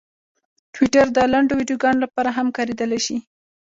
ټویټر د لنډو ویډیوګانو لپاره هم کارېدلی شي.